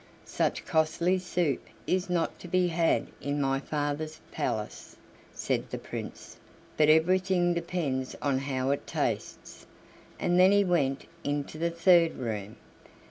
"Such costly soup is not to be had in my father's palace," said the Prince; "but everything depends on how it tastes," and then he went into the third room.